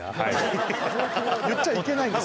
言っちゃいけないんですかね？